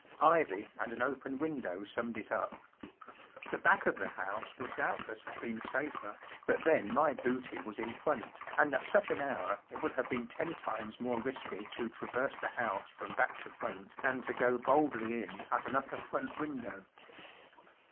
Ivy and an open window summed it up. The back of the house would doubtless have been safer, but then my booty was in front, and at such an hour Lt would have been ten times more risky to traverse the house from back to front than to go boldly in at an upper front window*.